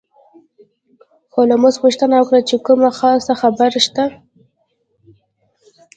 هولمز پوښتنه وکړه چې کومه خاصه خبره شته.